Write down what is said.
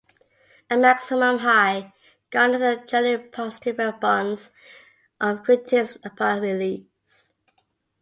"A Maximum High" garnered a generally positive response from critics upon release.